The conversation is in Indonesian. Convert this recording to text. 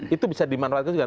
itu bisa dimanfaatkan juga